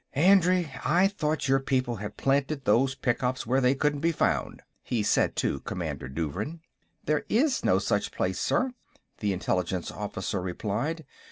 "Andrey, I thought your people had planted those pickups where they couldn't be found," he said to Commander Douvrin. "There is no such place, sir," the intelligence officer replied.